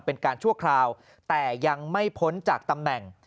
เป็นการชั่วคราวแต่ยังไม่พ้นจากตำแหน่ง